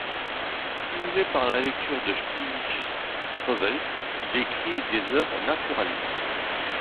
Stimulé par la lecture de Stijn Streuvels, il écrit des œuvres naturalistes.